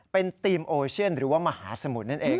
เป็นทีมโอเชียนหรือว่ามหาสมุทรนั่นเอง